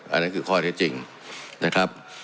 อันนั้นคือข้อเท็จจริงนะครับ